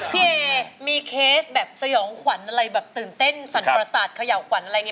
พี่เอมีเคสแบบสยองขวัญอะไรแบบตื่นเต้นสั่นประสาทเขย่าขวัญอะไรอย่างนี้